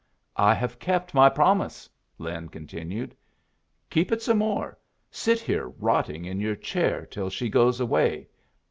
"I have kept my promise," Lin continued. "Keep it some more. Sit here rotting in your chair till she goes away.